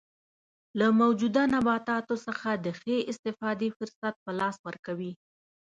له موجوده نباتاتو څخه د ښې استفادې فرصت په لاس ورکوي.